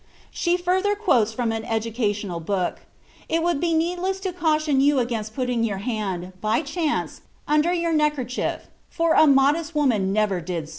'" She further quotes from an educational book: "It would be needless to caution you against putting your hand, by chance, under your neck handkerchief; for a modest woman never did so."